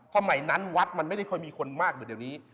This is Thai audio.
สมัยนั้นวัดมันไม่ได้ค่อยมีคนมากเหมือนเดี๋ยวนี้